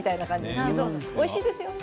でも、おいしいですよね。